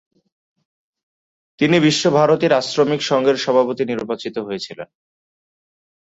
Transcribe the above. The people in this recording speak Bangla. তিনি বিশ্বভারতীর আশ্রমিক সংঘের সভাপতি নির্বাচিত হয়েছিলেন।